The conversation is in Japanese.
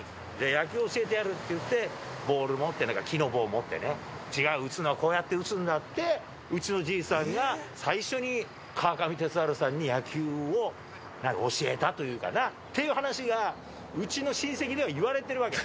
野球教えてやるって言って、ボール持って、なんか木の棒持ってね、違う、打つのはこうやって打つんだって、うちのじいさんが最初に川上哲治さんに野球をなんか教えたというかな、っていう話が、うちの親戚では言われているわけ。